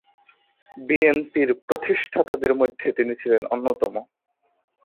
বিএনপির প্রতিষ্ঠাতাদের মধ্যে তিনি ছিলেন অন্যতম।